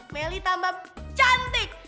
meli tambah cantik